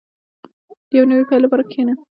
• د یو نوي پیل لپاره کښېنه.